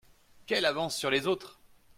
Quelle avance sur les autres !